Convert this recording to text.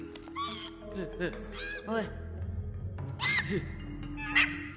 おい。